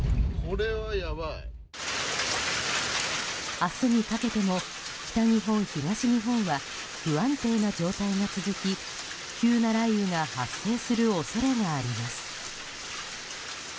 明日にかけても北日本、東日本は不安定な状態が続き、急な雷雨が発生する恐れがあります。